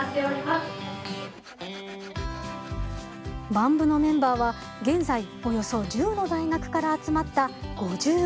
ＢＡＭ部のメンバーは現在およそ１０の大学から集まった５５人。